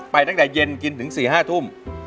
ไปตั้งแต่เย็นกินถึงสี่ห้าทุ่ม